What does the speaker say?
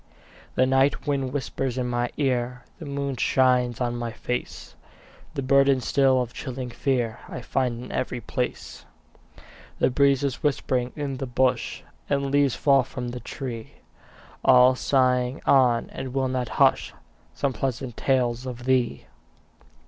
The night wind whispers in my ear, The moon shines on my face; The burden still of chilling fear I find in every place. The breeze is whispering in the bush, And the leaves fall from the tree, All sighing on, and will not hush, Some pleasant tales of thee.